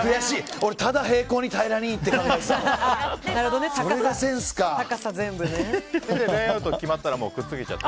俺、ただ平らにって考えてた。